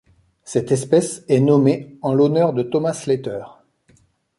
Cette espèce est nommée en l'honneur de Thomas Slater.